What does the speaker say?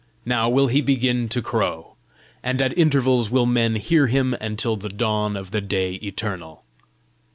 now will he begin to crow! and at intervals will men hear him until the dawn of the day eternal."